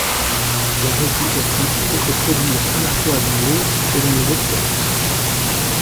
La réplication peut se produire à la fois dans l'hôte et dans le vecteur.